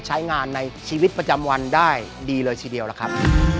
ใช้งานในชีวิตประจำวันได้ดีเลยทีเดียวล่ะครับ